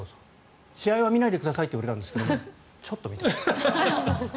試合は見ないでくださいって言われましたがちょっと見た。